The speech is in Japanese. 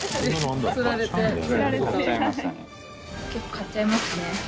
女性：結構買っちゃいましたね。